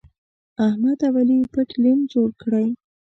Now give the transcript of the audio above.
احمد او علي پټ لین جوړ کړی.